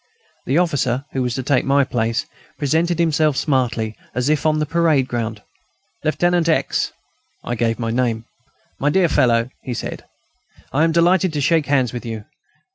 The officer who was to take my place presented himself smartly, as if on the parade ground. "Lieutenant X." I gave my name. "My dear fellow," he said, "I am delighted to shake hands with you.